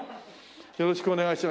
よろしくお願いします。